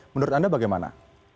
menurut anda bagaimana